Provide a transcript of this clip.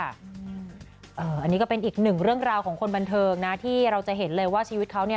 อันนี้ก็เป็นอีกหนึ่งเรื่องราวของคนบันเทิงนะที่เราจะเห็นเลยว่าชีวิตเขาเนี่ย